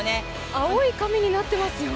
青い髪になっていますよ。